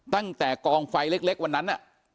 ตั้งแต่กองไฟเล็กวันนั้น